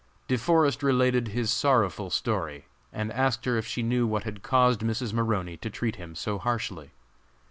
De Forest related his sorrowful story, and asked her if she knew what had caused Mrs. Maroney to treat him so harshly.